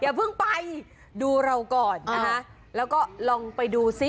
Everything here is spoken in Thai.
อย่าเพิ่งไปดูเราก่อนนะคะแล้วก็ลองไปดูซิ